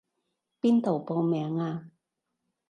邊度報名啊？